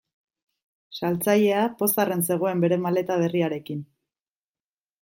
Saltzailea pozarren zegoen bere maleta berriarekin.